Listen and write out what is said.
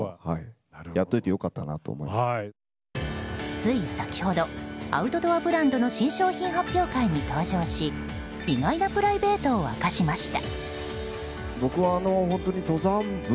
つい先ほどアウトドアブランドの新商品発表会に登場し意外なプライベートを明かしました。